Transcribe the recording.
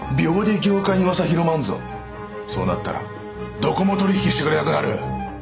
そうなったらどこも取り引きしてくれなくなる！